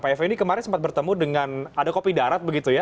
pak effendi kemarin sempat bertemu dengan ada kopi darat begitu ya